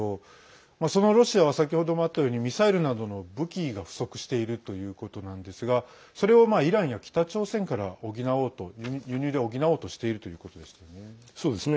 ロシアは先ほどもあったようにミサイルなどの武器が不足しているということなんですがそれをイランや北朝鮮から輸入で補おうとしているということでしたよね。